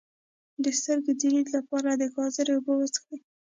د سترګو د لید لپاره د ګازرې اوبه وڅښئ